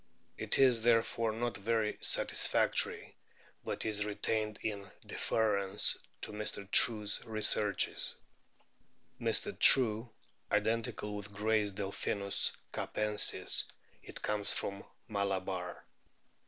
It is therefore not very satisfactory, but is retained in deference to Mr. True's researches. It may be, thinks Mr. True, identical with Gray's Delpkinus capensis. It comes from Malabar.